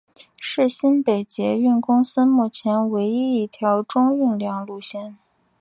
是新北捷运公司目前唯一一条中运量路线。